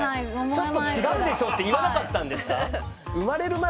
ちょっと違うでしょって言わなかったんですか？